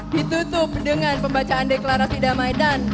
ditutup dengan pembacaan deklarasi damai dan